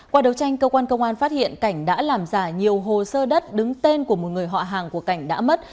qua đấu tranh cơ quan công an phát hiện cảnh đã làm giả nhiều hồ sơ đất đứng tên của một người họa hàng của cảnh đã mất